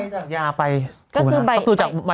ต้องเอาใบจากยาไปคุณผู้ชมฮะ